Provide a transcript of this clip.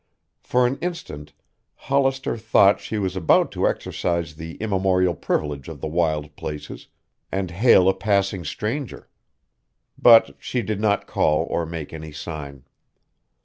For an instant Hollister thought she was about to exercise the immemorial privilege of the wild places and hail a passing stranger. But she did not call or make any sign.